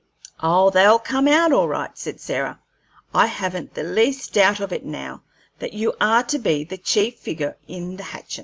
"Oh, they'll come out all right," said Sarah. "I haven't the least doubt of it, now that you are to be the chief figure in the hatchin'."